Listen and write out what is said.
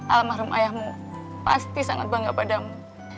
almarhum ayahmu pasti sangat bangga padamu